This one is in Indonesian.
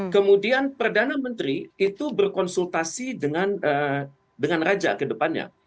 kemudian perdana menteri itu berkonsultasi dengan raja ke depannya